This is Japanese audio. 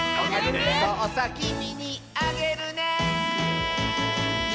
「そうさきみにあげるね」